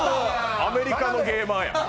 アメリカのゲーマーや。